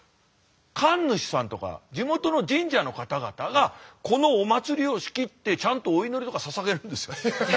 神主さんとか地元の神社の方々がこのお祭りを仕切ってちゃんとお祈りとかささげるんですよ。